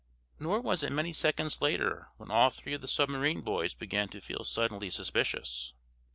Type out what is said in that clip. Nor was it many seconds later when all three of the submarine boys began to feel suddenly suspicious.